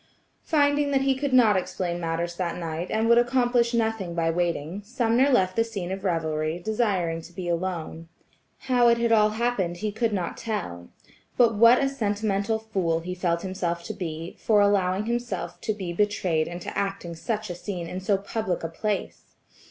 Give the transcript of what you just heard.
Finding that he could not explain matters that night, and would accomplish nothing by waiting, Sumner left the scene of revelry, desiring to be alone. How it had all happened he could not tell. But what a sentimental fool he felt himself to be, for allowing himself to be betrayed into acting such a scene in so public a place.